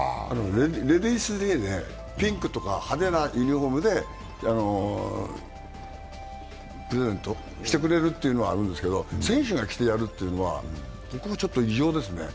レディースデーでピンクとか派手なユニフォーム、プレゼントしてくれるというのはあるんですけど選手が着てやるというのはちょっと異常ですね。